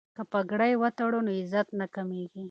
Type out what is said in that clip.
که پګړۍ وتړو نو عزت نه کمیږي.